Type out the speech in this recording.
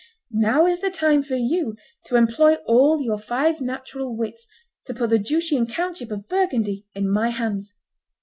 Now is the time for you to employ all your five natural wits to put the duchy and countship of Burgundy in my hands.